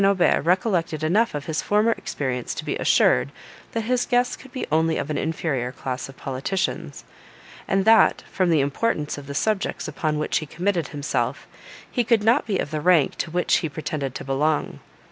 Aubert recollected enough of his former experience to be assured, that his guest could be only of an inferior class of politicians; and that, from the importance of the subjects upon which he committed himself, he could not be of the rank to which he pretended to belong.